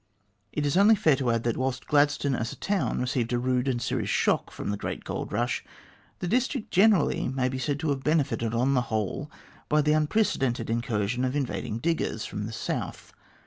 It is only fair to add that, whilst Gladstone as a town received a rude and serious shock from the great gold rush, the district generally may be said to have benefited on the whole by the unprecedented incursion of invading diggers from the south.